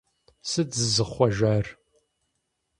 Сыт зызыхъуэжар?